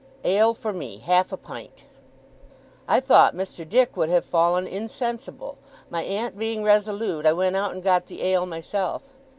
Ale for me. Half a pint.' I thought Mr. Dick would have fallen, insensible. My aunt being resolute, I went out and got the ale myself.